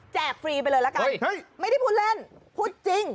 ฟรีไปเลยละกันไม่ได้พูดเล่นพูดจริง